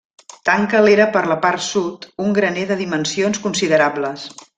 Tanca l'era per la part sud un graner de dimensions considerables.